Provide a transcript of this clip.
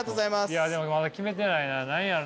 いやでもまだ決めてないな何やろな。